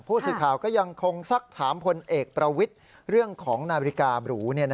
ผู้สื่อข่าวก็ยังคงซักถามพลเอกประวิทย์เรื่องของนาฬิกาบรู